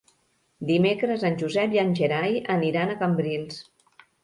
Dimecres en Josep i en Gerai aniran a Cambrils.